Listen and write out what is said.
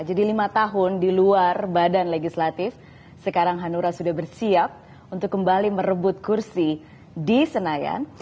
jadi lima tahun di luar badan legislatif sekarang hanura sudah bersiap untuk kembali merebut kursi di senayan